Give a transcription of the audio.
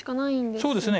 そうですね。